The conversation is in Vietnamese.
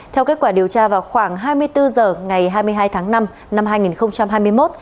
theo kết quả điều tra vào khoảng hai mươi bốn h ngày hai mươi hai tháng năm năm hai nghìn hai mươi một